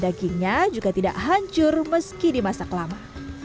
dagingnya juga tidak hancur meski dimasak lama